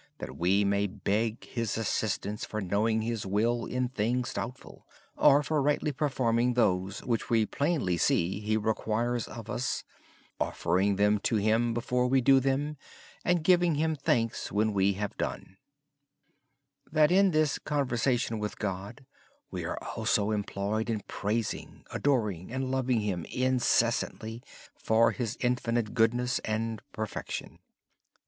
We need to beg His assistance for knowing His will in things doubtful and for rightly performing those which we plainly see He requires of us, offering them to Him before we do them, and giving Him thanks when we have completed them. In our conversation with God we should also engage in praising, adoring, and loving Him incessantly for His infinite goodness and perfection.